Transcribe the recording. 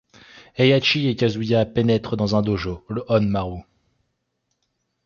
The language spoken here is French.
Heihachi et Kazuya pénètrent dans un dojo, le Hon-Maru.